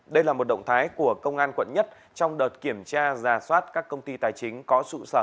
đây là một động thái của công an quận một trong đợt kiểm tra giả soát các công ty tài chính có trụ sở